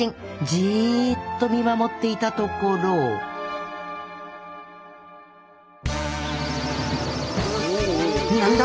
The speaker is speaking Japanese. ジーッと見守っていたところなんだ